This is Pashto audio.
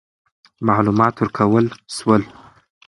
معلومات ورکول سول.